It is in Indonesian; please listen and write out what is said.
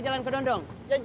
jalan ke dondong